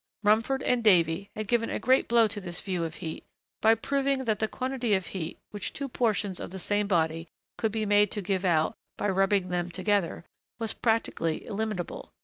Rumford and Davy had given a great blow to this view of heat by proving that the quantity of heat which two portions of the same body could be made to give out, by rubbing them together, was practically illimitable.